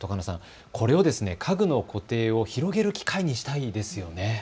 これを家具の固定を広げる機会にしたいですね。